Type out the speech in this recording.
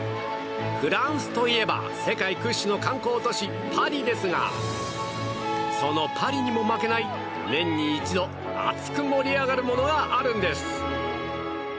フランスといえば世界屈指の観光都市パリですがそのパリにも負けない、年に一度熱く盛り上がるものがあるんです。